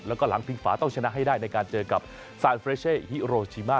แล้วก็หลังพิงฝาต้องชนะให้ได้ในการเจอกับซานเฟรเช่ฮิโรชิมา